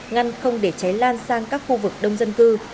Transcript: ngăn không để cháy lan sang các khu vực đông dân cư